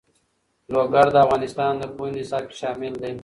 لوگر د افغانستان د پوهنې نصاب کې شامل دي.